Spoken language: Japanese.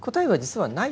はい。